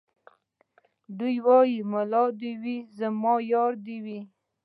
دی وايي ملا دي وي زما يار دي وي